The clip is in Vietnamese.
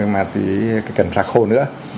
mà tùy cái cần xa khô nữa